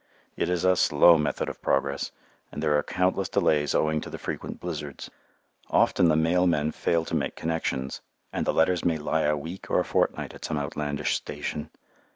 It is a slow method of progress, and there are countless delays owing to the frequent blizzards. Often the mail men fail to make connections, and the letters may lie a week or a fortnight at some outlandish station.